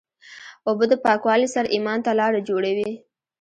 اوبه د پاکوالي سره ایمان ته لاره جوړوي.